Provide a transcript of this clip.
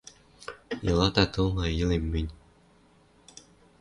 Йылата тылла, йылем мӹнь.